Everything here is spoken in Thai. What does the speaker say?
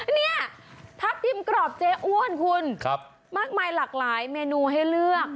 เนี่ยทับทิมกรอบเจ๊อ้วนคุณมากมายหลากหลายเมนูให้เลือก